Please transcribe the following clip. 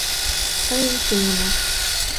— Тыйын семынак...